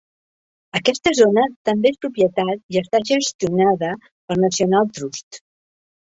Aquesta zona també és propietat i està gestionada pel National Trust.